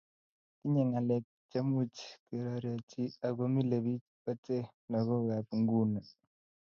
Tinyei ngalek chemuch kerorechi ago mile biich ochei laggokab nguno